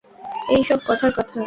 এই সব কথার কথা।